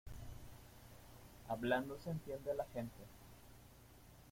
Hablando se entiende la gente.